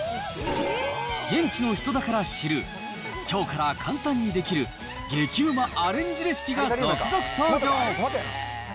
現地の人だから知る、きょうから簡単にできる激うまアレンジレシピが続々登場。